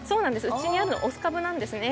うちにあるの雄株なんですね。